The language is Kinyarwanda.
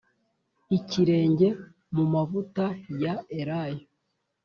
ikirenge mu mavuta ya elayo